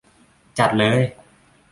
จัดเลย !